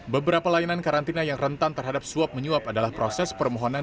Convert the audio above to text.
beberapa layanan karantina yang rentan terhadap suap menyuap adalah proses permohonan